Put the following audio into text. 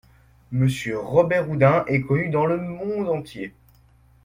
Monsieur Robert-Houdin est connu dans le monde entier.